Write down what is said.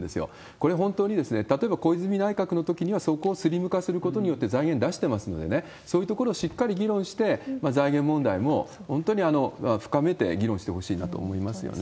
これ、本当に、例えば小泉内閣のときには、そこをスリム化することによって財源出してますので、そういうところをしっかり議論して、財源問題も本当に深めて議論してほしいなと思いますよね。